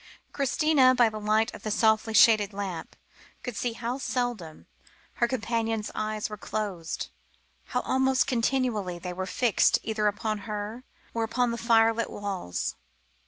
Christina, by the light of the softly shaded lamp, could see how seldom her companion's eyes were closed, how almost continually they were fixed, either upon her, or upon the firelit walls.